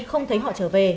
không thấy họ trở về